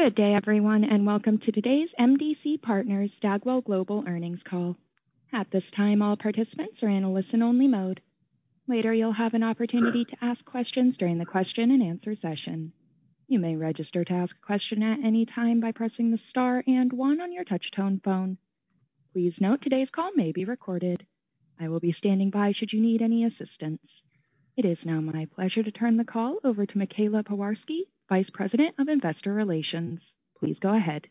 Good day, everyone, and welcome to today's MDC Partners Stagwell Global earnings call. At this time, all participants are in a listen-only mode. Later, you'll have an opportunity to ask questions during the question and answer session. You may register to ask a question at any time by pressing the star and one on your touch-tone phone. Please note today's call may be recorded. I will be standing by should you need any assistance. It is now my pleasure to turn the call over to Michaela Pewarski, Vice President of Investor Relations. Please go ahead.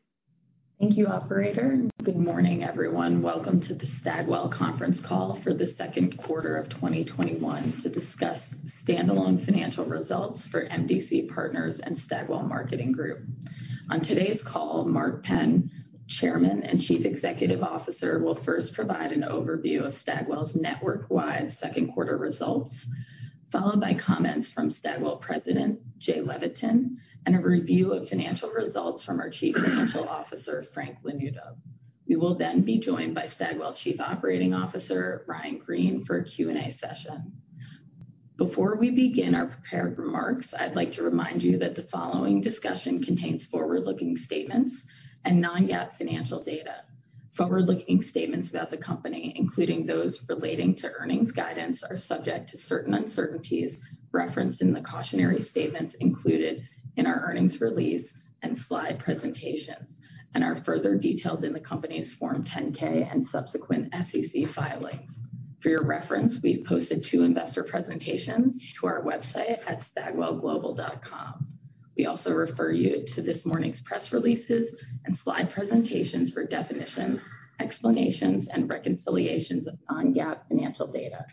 Thank you, operator. Good morning, everyone. Welcome to the Stagwell conference call for the second quarter of 2021 to discuss standalone financial results for MDC Partners and Stagwell Marketing Group. On today's call, Mark Penn, Chairman and Chief Executive Officer, will first provide an overview of Stagwell's network-wide second quarter results, followed by comments from Stagwell President Jay Leveton, and a review of financial results from our Chief Financial Officer, Frank Lanuto. We will then be joined by Stagwell Chief Operating Officer Ryan Greene for a Q&A session. Before we begin our prepared remarks, I'd like to remind you that the following discussion contains forward-looking statements and non-GAAP financial data. Forward-looking statements about the company, including those relating to earnings guidance, are subject to certain uncertainties referenced in the cautionary statements included in our earnings release and slide presentations and are further detailed in the company's Form 10-K and subsequent SEC filings. For your reference, we've posted two investor presentations to our website at stagwellglobal.com. We also refer you to this morning's press releases and slide presentations for definitions, explanations, and reconciliations of non-GAAP financial data.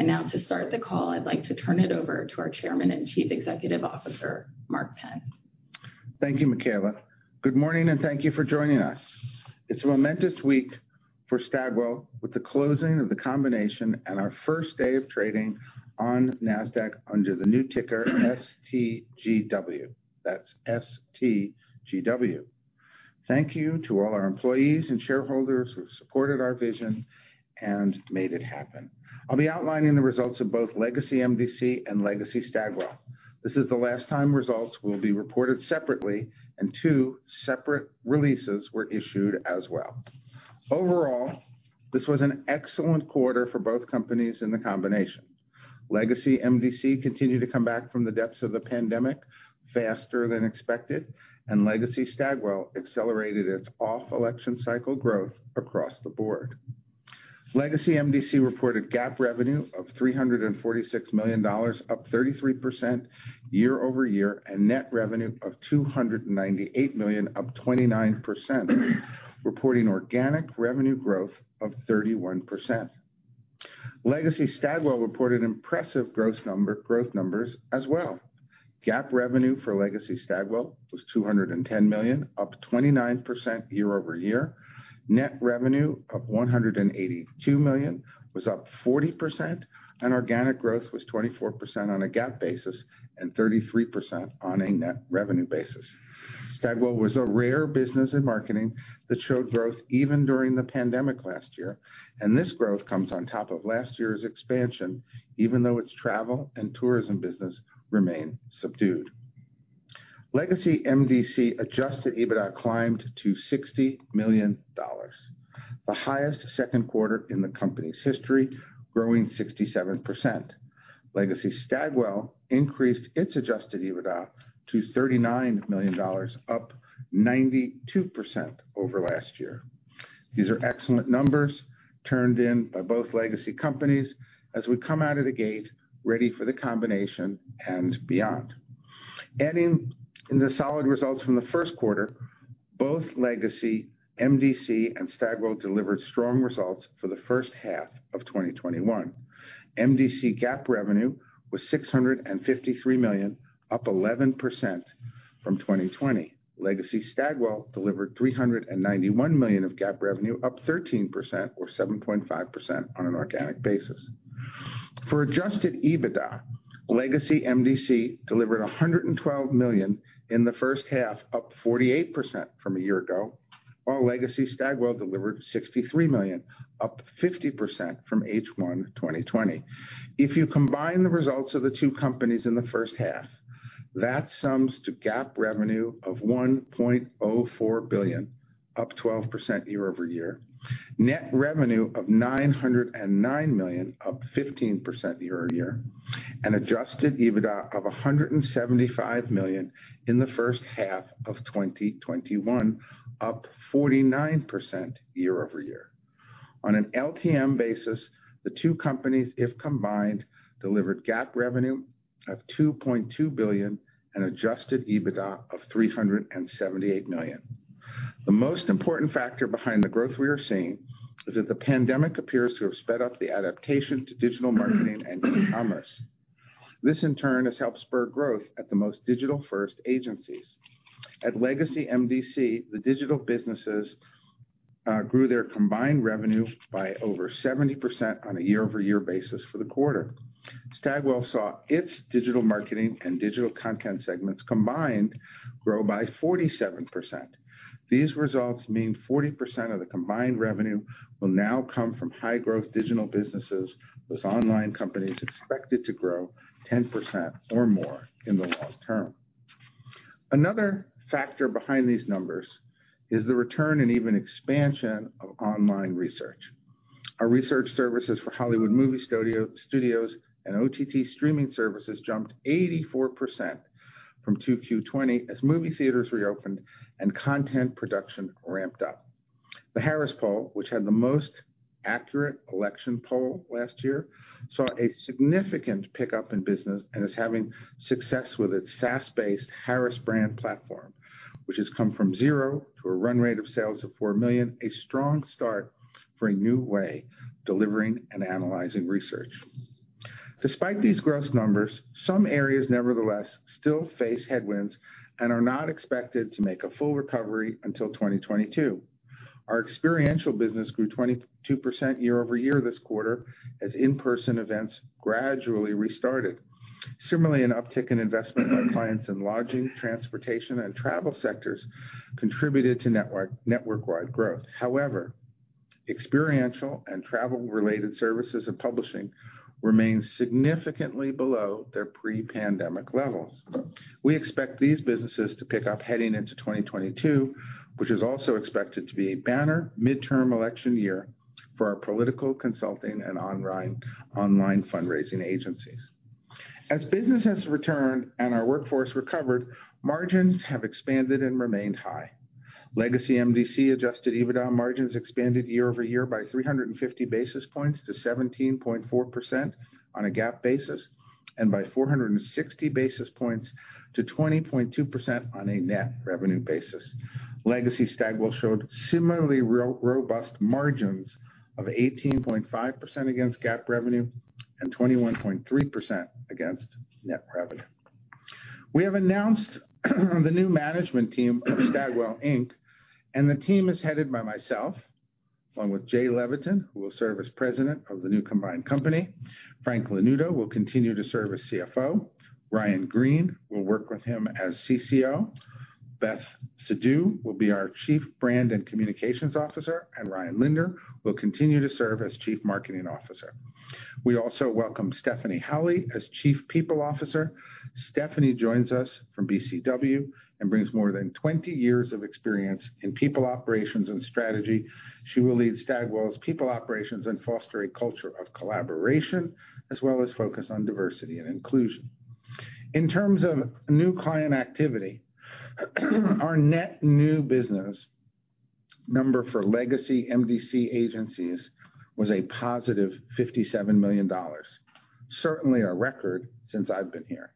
Now to start the call, I'd like to turn it over to our Chairman and Chief Executive Officer, Mark Penn. Thank you, Michaela. Good morning, and thank you for joining us. It's a momentous week for Stagwell with the closing of the combination and our first day of trading on Nasdaq under the new ticker STGW. That's STGW. Thank you to all our employees and shareholders who supported our vision and made it happen. I'll be outlining the results of both legacy MDC and legacy Stagwell. This is the last time results will be reported separately and two separate releases were issued as well. Overall, this was an excellent quarter for both companies in the combination. Legacy MDC continued to come back from the depths of the pandemic faster than expected, and legacy Stagwell accelerated its off-election cycle growth across the board. Legacy MDC reported GAAP revenue of $346 million, up 33% year-over-year, and net revenue of $298 million, up 29%, reporting organic revenue growth of 31%. Legacy Stagwell reported impressive growth numbers as well. GAAP revenue for legacy Stagwell was $210 million, up 29% year-over-year. Net revenue of $182 million was up 40%, and organic growth was 24% on a GAAP basis and 33% on a net revenue basis. Stagwell was a rare business in marketing that showed growth even during the pandemic last year, and this growth comes on top of last year's expansion, even though its travel and tourism business remain subdued. Legacy MDC adjusted EBITDA climbed to $60 million, the highest second quarter in the company's history, growing 67%. Legacy Stagwell increased its adjusted EBITDA to $39 million, up 92% over last year. These are excellent numbers turned in by both legacy companies as we come out of the gate ready for the combination and beyond. Adding the solid results from the first quarter, both legacy MDC and Stagwell delivered strong results for the first half of 2021. MDC GAAP revenue was $653 million, up 11% from 2020. Legacy Stagwell delivered $391 million of GAAP revenue, up 13%, or 7.5% on an organic basis. For adjusted EBITDA, legacy MDC delivered $112 million in the first half, up 48% from a year ago, while legacy Stagwell delivered $63 million, up 50% from H1 2020. If you combine the results of the two companies in the first half, that sums to GAAP revenue of $1.04 billion, up 12% year-over-year. Net revenue of $909 million, up 15% year-over-year, and adjusted EBITDA of $175 million in the first half of 2021, up 49% year-over-year. On an LTM basis, the two companies, if combined, delivered GAAP revenue of $2.2 billion and adjusted EBITDA of $378 million. The most important factor behind the growth we are seeing is that the pandemic appears to have sped up the adaptation to digital marketing and e-commerce. This, in turn, has helped spur growth at the most digital-first agencies. At legacy MDC, the digital businesses grew their combined revenue by over 70% on a year-over-year basis for the quarter. Stagwell saw its digital marketing and digital content segments combined grow by 47%. These results mean 40% of the combined revenue will now come from high growth digital businesses, with online companies expected to grow 10% or more in the long term. Another factor behind these numbers is the return and even expansion of online research. Our research services for Hollywood movie studios and OTT streaming services jumped 84% from 2Q 2020 as movie theaters reopened and content production ramped up. The Harris Poll, which had the most accurate election poll last year, saw a significant pickup in business and is having success with its SaaS-based Harris Brand Platform, which has come from zero to a run rate of sales of $4 million, a strong start for a new way of delivering and analyzing research. Despite these gross numbers, some areas, nevertheless, still face headwinds and are not expected to make a full recovery until 2022. Our experiential business grew 22% year-over-year this quarter as in-person events gradually restarted. Similarly, an uptick in investment by clients in lodging, transportation, and travel sectors contributed to network-wide growth. However, experiential and travel-related services and publishing remain significantly below their pre-pandemic levels. We expect these businesses to pick up heading into 2022, which is also expected to be a banner midterm election year for our political consulting and online fundraising agencies. As business has returned and our workforce recovered, margins have expanded and remained high. Legacy MDC adjusted EBITDA margins expanded year-over-year by 350 basis points to 17.4% on a GAAP basis, and by 460 basis points to 20.2% on a net revenue basis. Legacy Stagwell showed similarly robust margins of 18.5% against GAAP revenue and 21.3% against net revenue. We have announced the new management team of Stagwell Inc., and the team is headed by myself, along with Jay Leveton, who will serve as President of the new combined company. Frank Lanuto will continue to serve as CFO. Ryan Greene will work with him as COO. Beth Sidhu will be our Chief Brand and Communications Officer, and Ryan Linder will continue to serve as Chief Marketing Officer. We also welcome Stephanie Howley as Chief People Officer. Stephanie joins us from BCW and brings more than 20 years of experience in people operations and strategy. She will lead Stagwell's people operations and foster a culture of collaboration, as well as focus on diversity and inclusion. In terms of new client activity, our net new business number for legacy MDC agencies was a positive $57 million. Certainly a record since I've been here.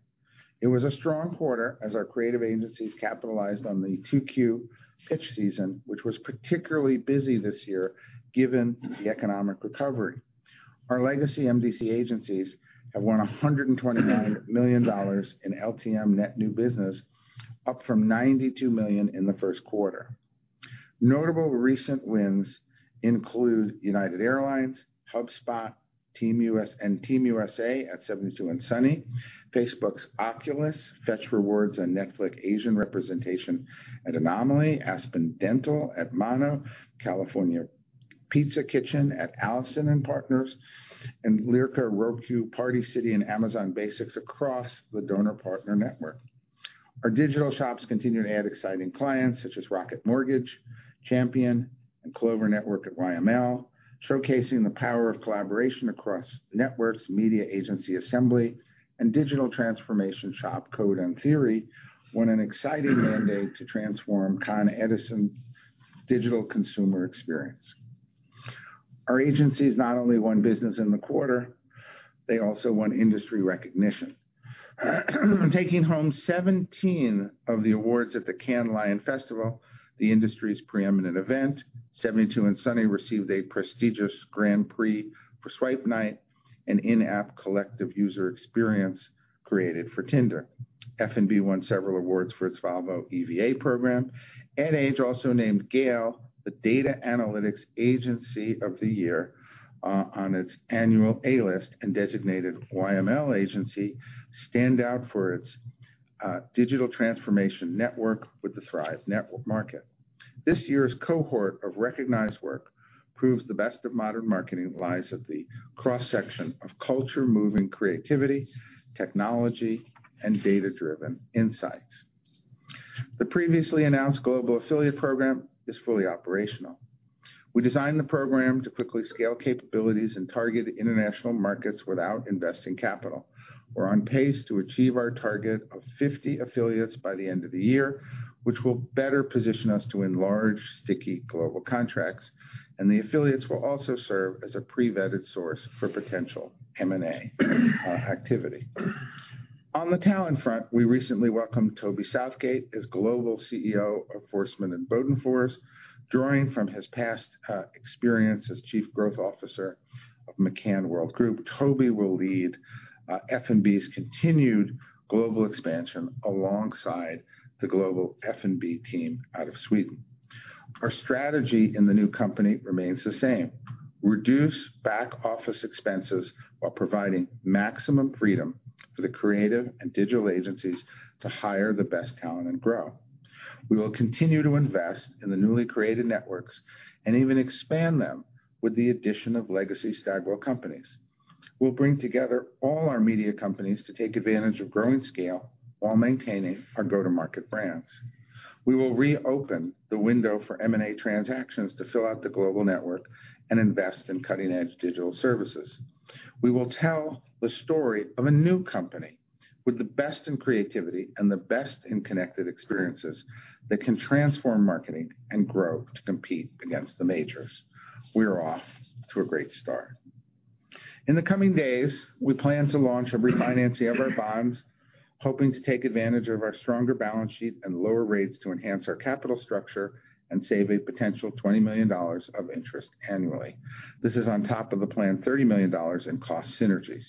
It was a strong quarter as our creative agencies capitalized on the 2Q pitch season, which was particularly busy this year given the economic recovery. Our legacy MDC agencies have won $129 million in LTM net new business, up from $92 million in the first quarter. Notable recent wins include United Airlines, HubSpot, and Team USA at 72andSunny, Facebook's Oculus, Fetch Rewards and Netflix Asian representation at Anomaly, Aspen Dental at Mono, California Pizza Kitchen at Allison+Partners, and Lyrica, Roku, Party City, and Amazon Basics across the Doner Partners Network. Our digital shops continue to add exciting clients such as Rocket Mortgage, Champion, and Clover Network at YML, showcasing the power of collaboration across networks, media agency Assembly. Digital transformation shop Code and Theory won an exciting mandate to transform Con Edison's digital consumer experience. Our agencies not only won business in the quarter, they also won industry recognition. Taking home 17 of the awards at the Cannes Lions Festival, the industry's preeminent event, 72andSunny received a prestigious Grand Prix for Swipe Night, an in-app collective user experience created for Tinder. F&B won several awards for its Volvo E.V.A. program. Ad Age also named GALE the data analytics agency of the year on its annual A-List and designated YML agency standout for its digital transformation network with the Thrive Market. This year's cohort of recognized work proves the best of modern marketing lies at the cross-section of culture-moving creativity, technology, and data-driven insights. The previously announced global affiliate program is fully operational. We designed the program to quickly scale capabilities and target international markets without investing capital. We're on pace to achieve our target of 50 affiliates by the end of the year, which will better position us to win large, sticky global contracts, and the affiliates will also serve as a pre-vetted source for potential M&A activity. On the talent front, we recently welcomed Toby Southgate as global CEO of Forsman & Bodenfors. Drawing from his past experience as Chief Growth Officer of McCann Worldgroup, Toby will lead F&B's continued global expansion alongside the global F&B team out of Sweden. Our strategy in the new company remains the same: reduce back-office expenses while providing maximum freedom for the creative and digital agencies to hire the best talent and grow. We will continue to invest in the newly created networks and even expand them with the addition of legacy Stagwell companies. We'll bring together all our media companies to take advantage of growing scale while maintaining our go-to-market brands. We will reopen the window for M&A transactions to fill out the global network and invest in cutting-edge digital services. We will tell the story of a new company with the best in creativity and the best in connected experiences that can transform marketing and grow to compete against the majors. We are off to a great start. In the coming days, we plan to launch a refinancing of our bonds, hoping to take advantage of our stronger balance sheet and lower rates to enhance our capital structure and save a potential $20 million of interest annually. This is on top of the planned $30 million in cost synergies.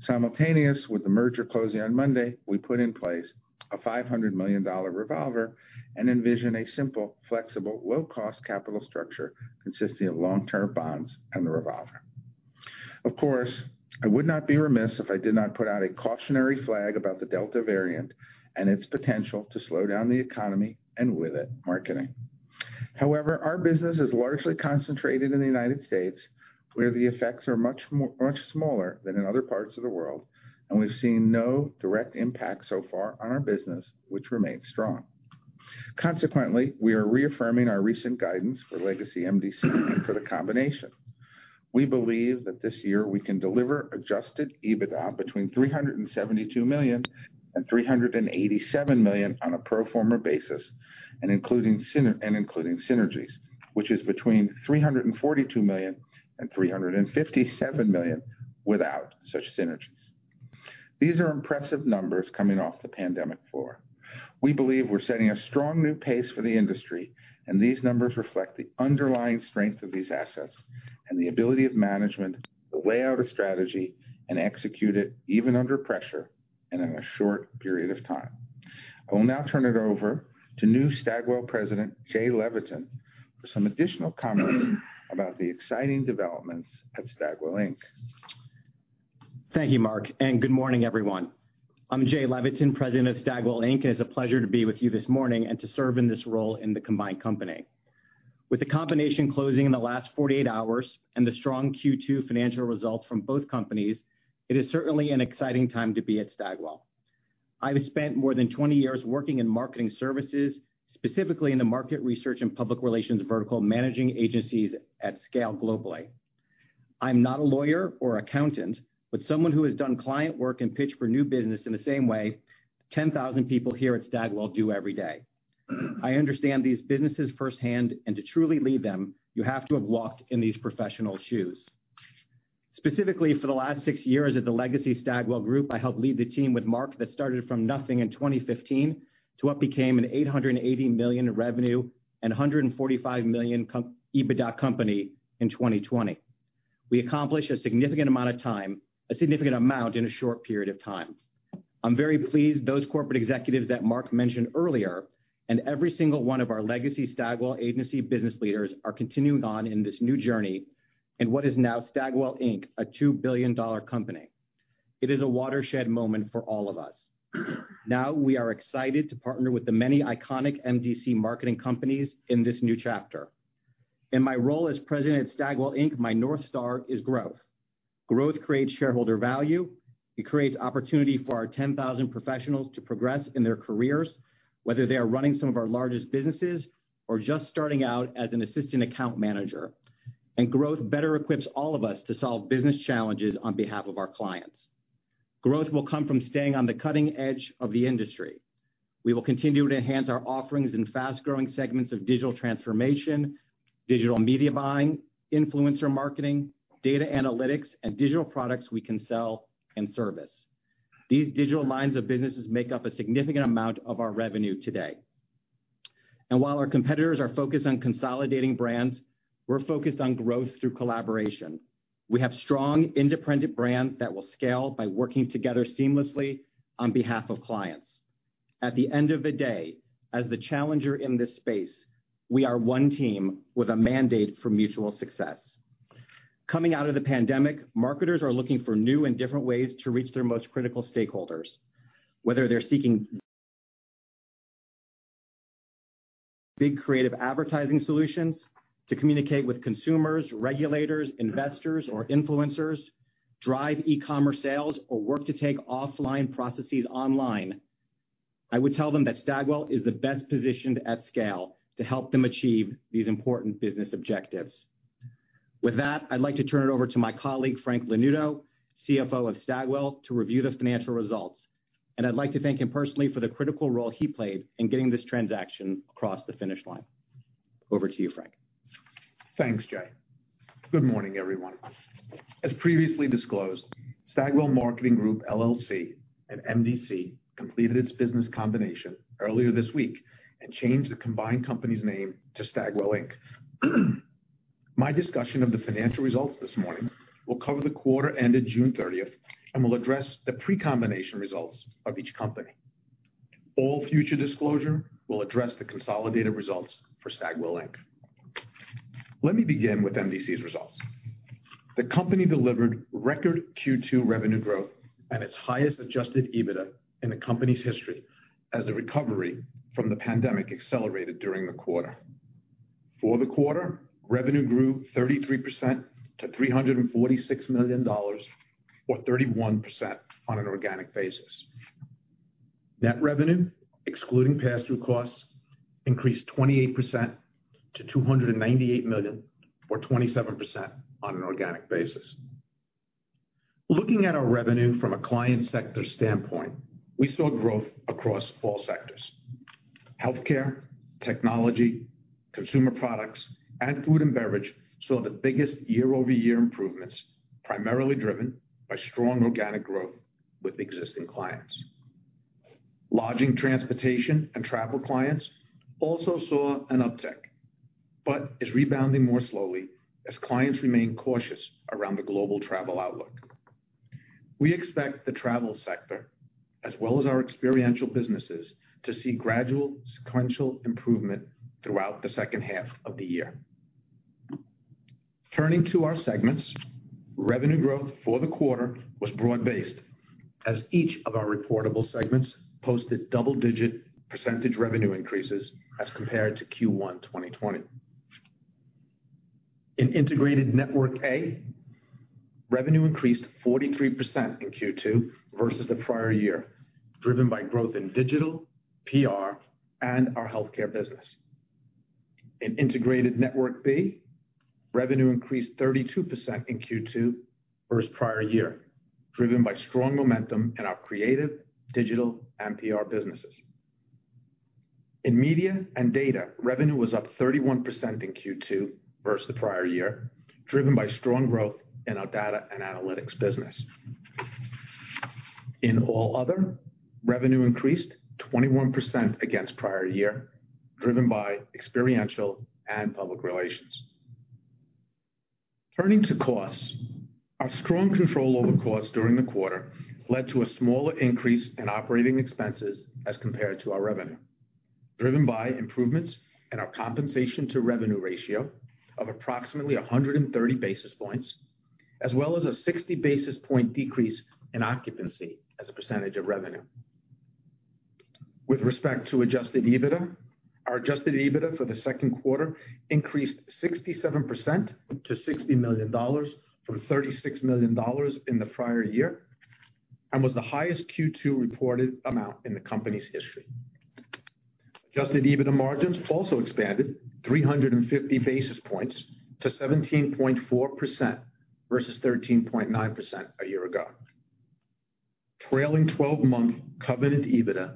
Simultaneous with the merger closing on Monday, we put in place a $500 million revolver and envision a simple, flexible, low-cost capital structure consisting of long-term bonds and a revolver. Of course, I would not be remiss if I did not put out a cautionary flag about the Delta variant and its potential to slow down the economy, and with it, marketing. However, our business is largely concentrated in the U.S., where the effects are much smaller than in other parts of the world, and we've seen no direct impact so far on our business, which remains strong. Consequently, we are reaffirming our recent guidance for legacy MDC and for the combination. We believe that this year we can deliver adjusted EBITDA between $372 million and $387 million on a pro forma basis and including synergies, which is between $342 million and $357 million without such synergies. These are impressive numbers coming off the pandemic floor. We believe we're setting a strong new pace for the industry, and these numbers reflect the underlying strength of these assets and the ability of management to lay out a strategy and execute it even under pressure and in a short period of time. I will now turn it over to new Stagwell President, Jay Leveton, for some additional comments about the exciting developments at Stagwell Inc. Thank you, Mark. Good morning, everyone. I'm Jay Leveton, President of Stagwell Inc. It's a pleasure to be with you this morning and to serve in this role in the combined company. With the combination closing in the last 48 hours and the strong Q2 financial results from both companies, it is certainly an exciting time to be at Stagwell. I've spent more than 20 years working in marketing services, specifically in the market research and public relations vertical, managing agencies at scale globally. I'm not a lawyer or accountant, someone who has done client work and pitched for new business in the same way 10,000 people here at Stagwell do every day. I understand these businesses firsthand. To truly lead them, you have to have walked in these professional shoes. Specifically, for the last six years at the legacy Stagwell Group, I helped lead the team with Mark that started from nothing in 2015 to what became an $880 million revenue and $145 million EBITDA company in 2020. We accomplished a significant amount in a short period of time. I'm very pleased those corporate executives that Mark mentioned earlier and every single one of our legacy Stagwell agency business leaders are continuing on in this new journey in what is now Stagwell Inc., a $2 billion company. It is a watershed moment for all of us. We are excited to partner with the many iconic MDC marketing companies in this new chapter. In my role as President at Stagwell Inc., my North Star is growth. Growth creates shareholder value, it creates opportunity for our 10,000 professionals to progress in their careers, whether they are running some of our largest businesses or just starting out as an assistant account manager, growth better equips all of us to solve business challenges on behalf of our clients. Growth will come from staying on the cutting edge of the industry. We will continue to enhance our offerings in fast-growing segments of digital transformation, digital media buying, influencer marketing, data analytics, and digital products we can sell and service. These digital lines of businesses make up a significant amount of our revenue today. While our competitors are focused on consolidating brands, we're focused on growth through collaboration. We have strong, independent brands that will scale by working together seamlessly on behalf of clients. At the end of the day, as the challenger in this space, we are one team with a mandate for mutual success. Coming out of the pandemic, marketers are looking for new and different ways to reach their most critical stakeholders. Whether they're seeking big creative advertising solutions to communicate with consumers, regulators, investors, or influencers, drive e-commerce sales, or work to take offline processes online, I would tell them that Stagwell is the best positioned at scale to help them achieve these important business objectives. With that, I'd like to turn it over to my colleague, Frank Lanuto, CFO of Stagwell, to review the financial results. I'd like to thank him personally for the critical role he played in getting this transaction across the finish line. Over to you, Frank. Thanks, Jay. Good morning, everyone. As previously disclosed, Stagwell Marketing Group LLC and MDC completed its business combination earlier this week and changed the combined company's name to Stagwell Inc. My discussion of the financial results this morning will cover the quarter ended June 30th and will address the pre-combination results of each company. All future disclosure will address the consolidated results for Stagwell Inc. Let me begin with MDC's results. The company delivered record Q2 revenue growth and its highest adjusted EBITDA in the company's history as the recovery from the pandemic accelerated during the quarter. For the quarter, revenue grew 33% to $346 million, or 31% on an organic basis. Net revenue, excluding pass-through costs, increased 28% to $298 million, or 27% on an organic basis. Looking at our revenue from a client sector standpoint, we saw growth across all sectors. Healthcare, technology, consumer products, and food and beverage saw the biggest year-over-year improvements, primarily driven by strong organic growth with existing clients. Lodging, transportation, and travel clients also saw an uptick, but is rebounding more slowly as clients remain cautious around the global travel outlook. We expect the travel sector, as well as our experiential businesses, to see gradual sequential improvement throughout the second half of the year. Turning to our segments, revenue growth for the quarter was broad-based, as each of our reportable segments posted double-digit percentage revenue increases as compared to Q1 2020. In Integrated Network A, revenue increased 43% in Q2 versus the prior year, driven by growth in digital, PR, and our healthcare business. In Integrated Network B, revenue increased 32% in Q2 versus prior year, driven by strong momentum in our creative, digital, and PR businesses. In media and data, revenue was up 31% in Q2 versus the prior year, driven by strong growth in our data and analytics business. In all other, revenue increased 21% against prior year, driven by experiential and public relations. Turning to costs, our strong control over costs during the quarter led to a smaller increase in operating expenses as compared to our revenue, driven by improvements in our compensation-to-revenue ratio of approximately 130 basis points, as well as a 60 basis point decrease in occupancy as a percentage of revenue. With respect to adjusted EBITDA, our adjusted EBITDA for the second quarter increased 67% to $60 million from $36 million in the prior year and was the highest Q2 reported amount in the company's history. Adjusted EBITDA margins also expanded 350 basis points to 17.4% versus 13.9% a year ago. Trailing 12-month covenant EBITDA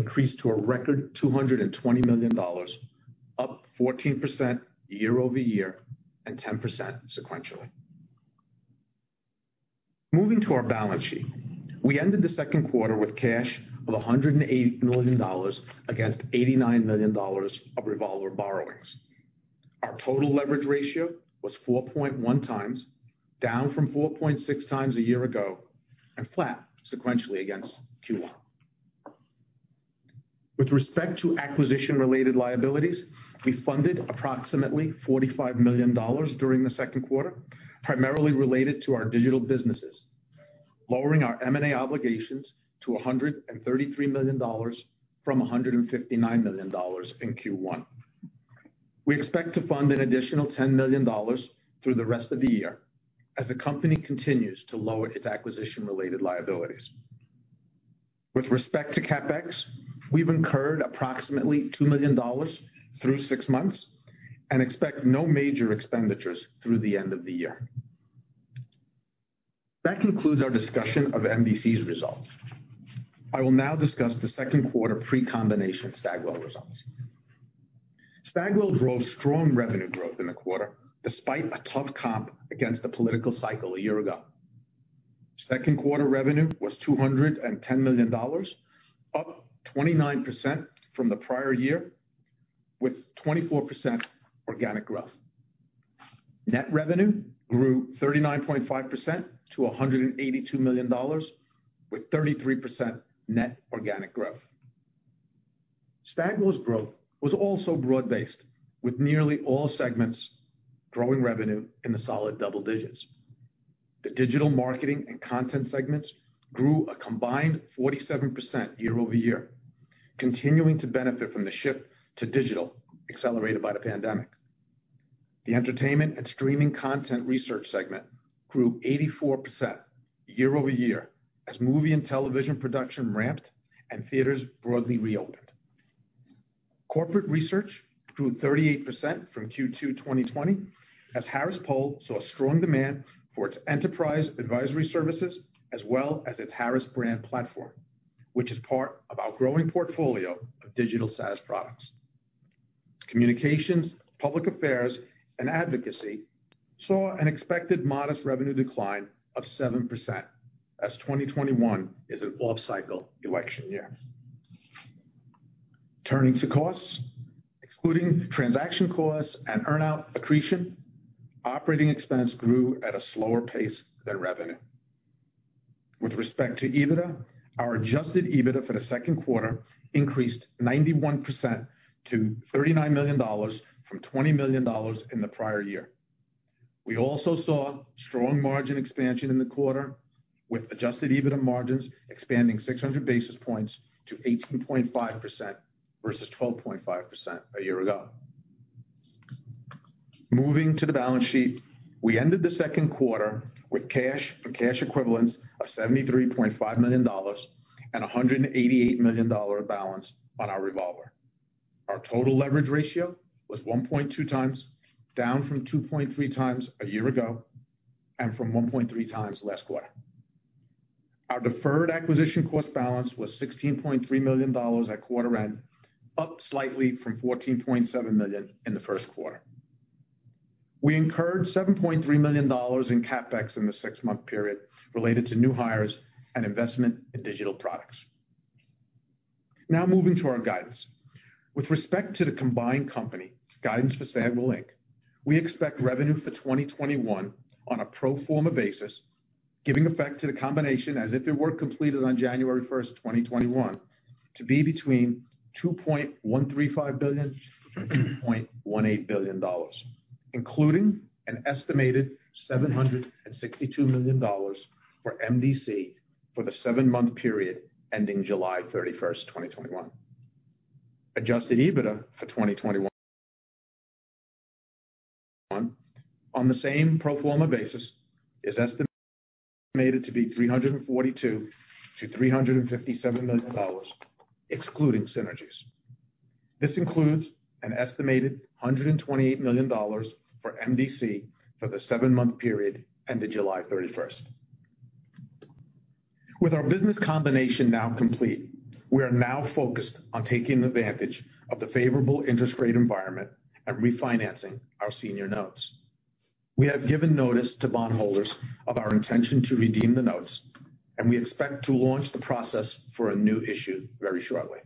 increased to a record $220 million, up 14% year-over-year and 10% sequentially. Moving to our balance sheet. We ended the second quarter with cash of $180 million against $89 million of revolver borrowings. Our total leverage ratio was 4.1x, down from 4.6x a year ago, and flat sequentially against Q1. With respect to acquisition-related liabilities, we funded approximately $45 million during the second quarter, primarily related to our digital businesses, lowering our M&A obligations to $133 million from $159 million in Q1. We expect to fund an additional $10 million through the rest of the year as the company continues to lower its acquisition-related liabilities. With respect to CapEx, we've incurred approximately $2 million through six months and expect no major expenditures through the end of the year. That concludes our discussion of MDC's results. I will now discuss the second quarter pre-combination Stagwell results. Stagwell drove strong revenue growth in the quarter despite a tough comp against the political cycle a year ago. Second quarter revenue was $210 million, up 29% from the prior year with 24% organic growth. Net revenue grew 39.5% to $182 million, with 33% net organic growth. Stagwell's growth was also broad-based, with nearly all segments growing revenue in the solid double digits. The digital marketing and content segments grew a combined 47% year-over-year, continuing to benefit from the shift to digital accelerated by the pandemic. The entertainment and streaming content research segment grew 84% year-over-year as movie and television production ramped and theaters broadly reopened. Corporate research grew 38% from Q2 2020 as Harris Poll saw strong demand for its enterprise advisory services as well as its Harris Brand Platform, which is part of our growing portfolio of digital SaaS products. Communications, public affairs, and advocacy saw an expected modest revenue decline of 7% as 2021 is an off-cycle election year. Turning to costs, excluding transaction costs and earn-out accretion, operating expense grew at a slower pace than revenue. With respect to EBITDA, our adjusted EBITDA for the second quarter increased 91% to $39 million from $20 million in the prior year. We also saw strong margin expansion in the quarter with adjusted EBITDA margins expanding 600 basis points to 18.5% versus 12.5% a year ago. Moving to the balance sheet, we ended the second quarter with cash and cash equivalents of $73.5 million and $188 million balance on our revolver. Our total leverage ratio was 1.2x, down from 2.3x a year ago, and from 1.3x last quarter. Our deferred acquisition cost balance was $16.3 million at quarter end, up slightly from $14.7 million in the first quarter. We incurred $7.3 million in CapEx in the six-month period related to new hires and investment in digital products. Now moving to our guidance. With respect to the combined company, guidance for Stagwell Inc., we expect revenue for 2021 on a pro forma basis, giving effect to the combination as if it were completed on January 1st, 2021, to be between $2.135 billion-$2.18 billion, including an estimated $762 million for MDC for the seven-month period ending July 31st, 2021. Adjusted EBITDA for 2021, on the same pro forma basis, is estimated to be $342 million-$357 million, excluding synergies. This includes an estimated $128 million for MDC for the seven-month period ending July 31st. With our business combination now complete, we are now focused on taking advantage of the favorable interest rate environment and refinancing our senior notes. We have given notice to bond holders of our intention to redeem the notes, and we expect to launch the process for a new issue very shortly.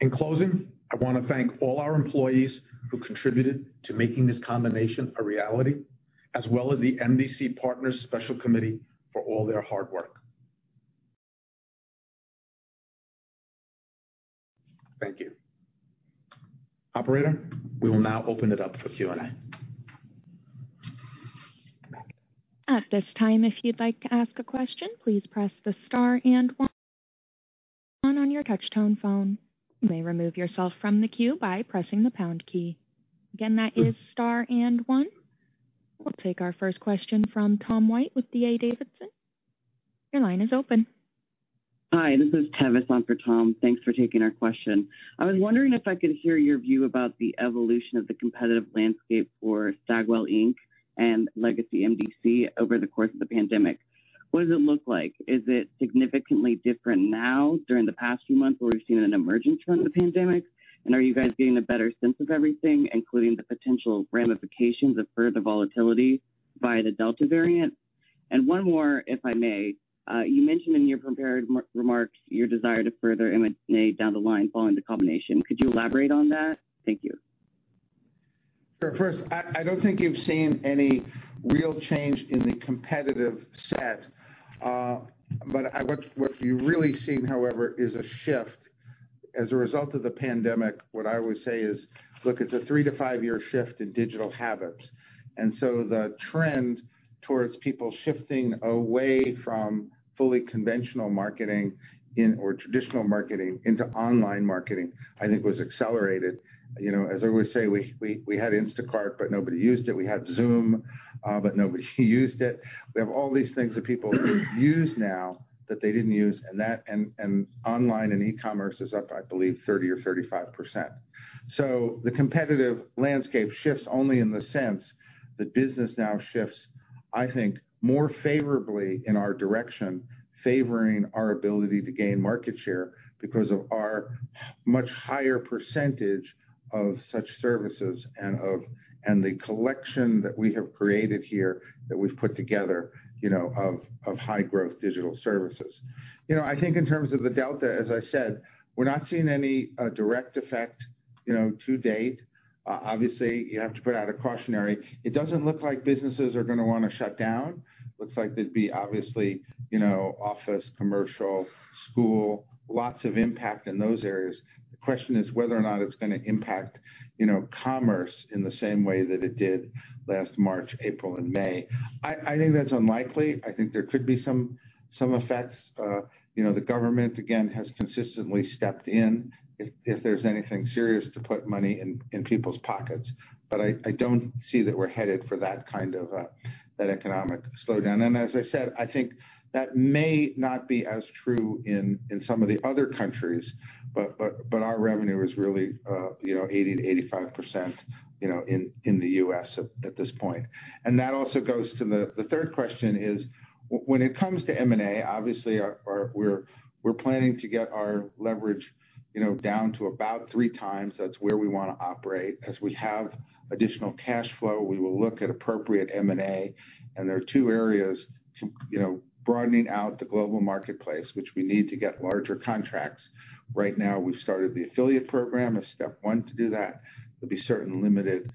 In closing, I want to thank all our employees who contributed to making this combination a reality, as well as the MDC Partners Special Committee for all their hard work. Thank you. Operator, we will now open it up for Q&A. We'll take our first question from Tom White with D.A. Davidson. Your line is open. Hi, this is Tevis on for Tom. Thanks for taking our question. I was wondering if I could hear your view about the evolution of the competitive landscape for Stagwell Inc. and Legacy MDC over the course of the pandemic. What does it look like? Is it significantly different now during the past few months where we've seen an emergence from the pandemic, and are you guys getting a better sense of everything, including the potential ramifications of further volatility via the Delta variant? One more, if I may. You mentioned in your prepared remarks your desire to further M&A down the line following the combination. Could you elaborate on that? Thank you. Sure. First, I don't think you've seen any real change in the competitive set. What you've really seen, however, is a shift as a result of the pandemic. What I always say is, look, it's a three to five-year shift in digital habits. The trend towards people shifting away from fully conventional marketing or traditional marketing into online marketing, I think, was accelerated. As I always say, we had Instacart, but nobody used it. We had Zoom, but nobody used it. We have all these things that people use now that they didn't use, and online and e-commerce is up, I believe, 30% or 35%. The competitive landscape shifts only in the sense that business now shifts, I think, more favorably in our direction, favoring our ability to gain market share because of our much higher percentage of such services and the collection that we have created here that we've put together of high growth digital services. In terms of the Delta, as I said, we're not seeing any direct effect to date. Obviously, you have to put out a cautionary. It doesn't look like businesses are going to want to shut down. Looks like there'd be obviously office, commercial, school, lots of impact in those areas. The question is whether or not it's going to impact commerce in the same way that it did last March, April, and May. That's unlikely. There could be some effects. The government, again, has consistently stepped in if there's anything serious to put money in people's pockets. I don't see that we're headed for that kind of economic slowdown. As I said, I think that may not be as true in some of the other countries, but our revenue is really 80%-85% in the U.S. at this point. That also goes to the third question is when it comes to M&A, obviously we're planning to get our leverage down to about 3x. That's where we want to operate. As we have additional cash flow, we will look at appropriate M&A, and there are two areas, broadening out the global marketplace, which we need to get larger contracts. Right now, we've started the affiliate program as step one to do that. There'll be certain limited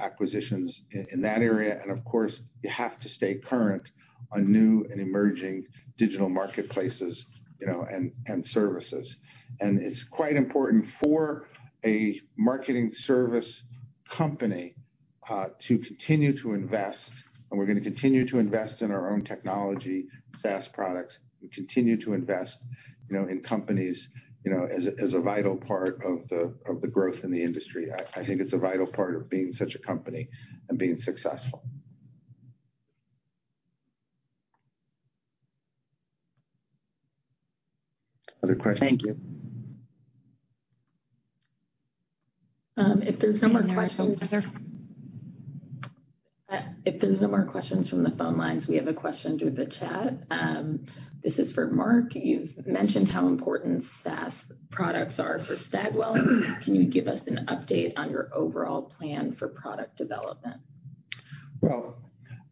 acquisitions in that area, of course, you have to stay current on new and emerging digital marketplaces and services. It's quite important for a marketing service company to continue to invest, and we're going to continue to invest in our own technology, SaaS products, and continue to invest in companies as a vital part of the growth in the industry. I think it's a vital part of being such a company and being successful. Other questions? Thank you. If there's no more questions. Any more questions, Heather? If there's no more questions from the phone lines, we have a question through the chat. This is for Mark. You've mentioned how important SaaS products are for Stagwell. Can you give us an update on your overall plan for product development? Well,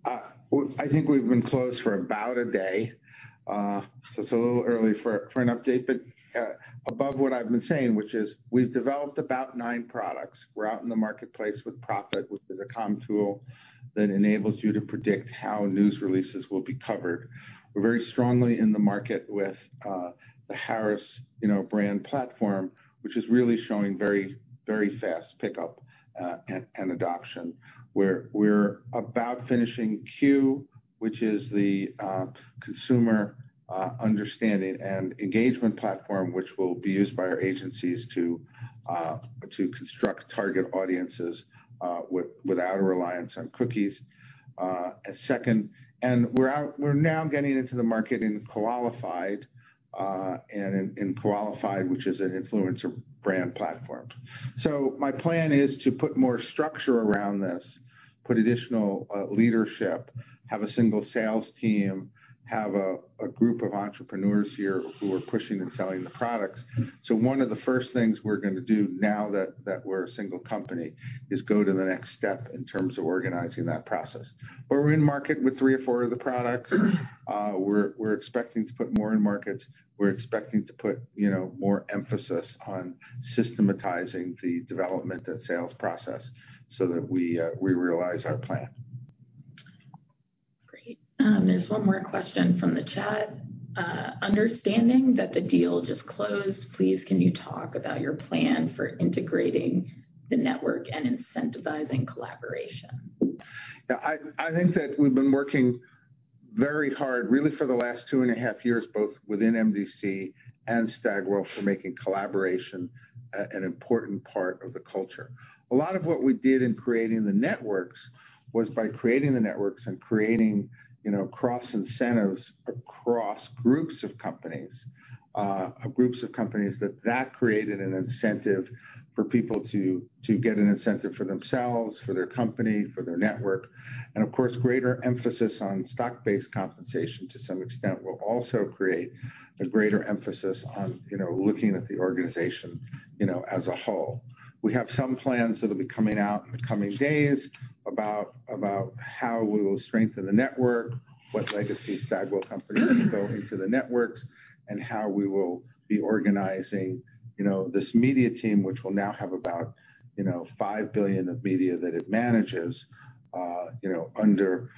I think we've been closed for about a day, so it's a little early for an update. above what I've been saying, which is we've developed about nine products. We're out in the marketplace with PRophet, which is a comm tool that enables you to predict how news releases will be covered. We're very strongly in the market with the Harris Brand Platform, which is really showing very fast pickup and adoption. We're about finishing Q, which is the consumer understanding and engagement platform, which will be used by our agencies to construct target audiences without a reliance on cookies as second. we're now getting into the market in Koalifyed, which is an influencer brand platform. my plan is to put more structure around this, put additional leadership, have a single sales team, have a group of entrepreneurs here who are pushing and selling the products. One of the first things we're going to do now that we're a single company is go to the next step in terms of organizing that process. We're in market with three or four of the products. We're expecting to put more in markets. We're expecting to put more emphasis on systematizing the development and sales process so that we realize our plan. Great. There's one more question from the chat. Understanding that the deal just closed, please can you talk about your plan for integrating the network and incentivizing collaboration? Yeah. I think that we've been working very hard, really for the last 2.5 years, both within MDC and Stagwell, for making collaboration an important part of the culture. A lot of what we did in creating the networks was by creating the networks and creating cross incentives across groups of companies. That created an incentive for people to get an incentive for themselves, for their company, for their network. Of course, greater emphasis on stock-based compensation to some extent will also create a greater emphasis on looking at the organization as a whole. We have some plans that'll be coming out in the coming days about how we will strengthen the network, what legacy Stagwell companies will go into the networks, and how we will be organizing this media team, which will now have about $5 billion of media that it manages under,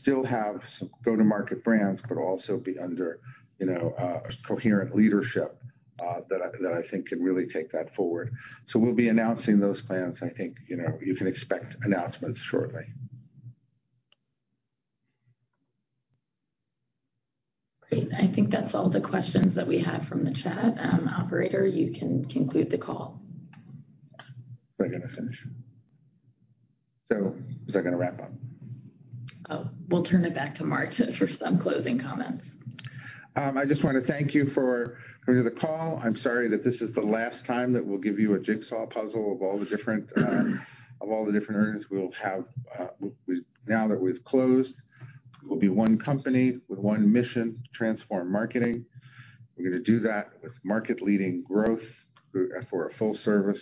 still have some go-to-market brands, but also be under a coherent leadership that I think can really take that forward. We'll be announcing those plans. I think you can expect announcements shortly. Great. I think that's all the questions that we have from the chat. Operator, you can conclude the call. Are they going to finish? Is that going to wrap up? Oh, we'll turn it back to Mark for some closing comments. I just want to thank you for coming to the call. I'm sorry that this is the last time that we'll give you a jigsaw puzzle of all the different areas we'll have. Now that we've closed, we'll be one company with one mission, transform marketing. We're going to do that with market-leading growth for a full-service,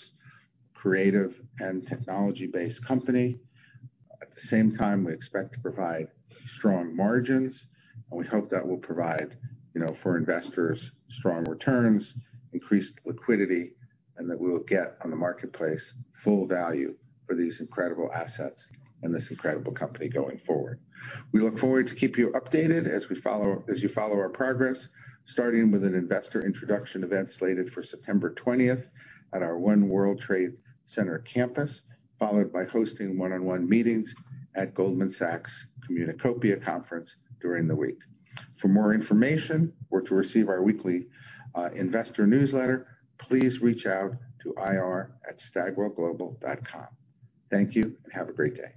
creative, and technology-based company. At the same time, we expect to provide strong margins, and we hope that will provide for investors strong returns, increased liquidity, and that we will get on the marketplace full value for these incredible assets and this incredible company going forward. We look forward to keep you updated as you follow our progress, starting with an investor introduction event slated for September 20th at our One World Trade Center campus, followed by hosting one-on-one meetings at Goldman Sachs Communacopia Conference during the week. For more information or to receive our weekly investor newsletter, please reach out to ir@stagwellglobal.com. Thank you, and have a great day.